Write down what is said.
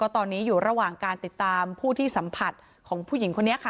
ตอนนี้อยู่ระหว่างการติดตามผู้ที่สัมผัสของผู้หญิงคนนี้ค่ะ